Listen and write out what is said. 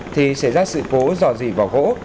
thì xảy ra sự cố dò dị vào gỗ